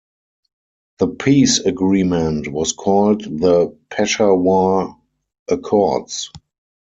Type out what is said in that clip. The peace agreement was called the Peshawar Accords.